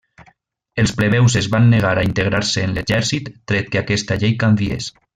Els plebeus es van negar a integrar-se en l'exèrcit tret que aquesta llei canviés.